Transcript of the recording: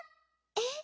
えっ？